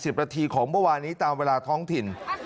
นาทีของเมื่อวานนี้ตามเวลาท้องถิ่น